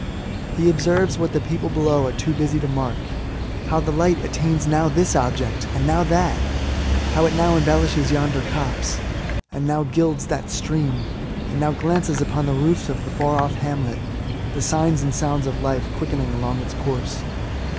He observes what the people LIFE TO THE INYALID. 79 below are too busy to mark : how the light attains now this object and now that—how it now embel* lishes yonder copse^ and now gilds that stream^ and now glances upon the roofs of the far off hamlet — the signs and sounds of life quickening along its course.